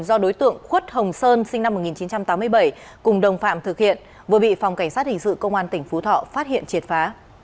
do đối tượng khuất hồng sơn sinh năm một nghìn chín trăm tám mươi bảy cùng đồng phạm thực hiện vừa bị phòng cảnh sát hình sự công an tỉnh phú thọ phát hiện triệt phá